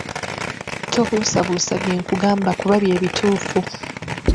Tobuusabuusa bye nkugamba kuba bye bituufu..